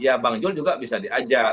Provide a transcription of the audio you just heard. ya bang jul juga bisa diajak